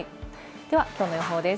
ではきょうの予報です。